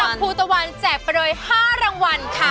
ภูตะวันแจกไปเลย๕รางวัลค่ะ